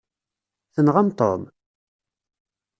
Tenɣam Tom?